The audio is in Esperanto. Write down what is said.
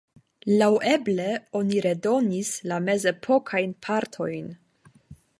Laŭeble oni redonis la mezepokajn partojn.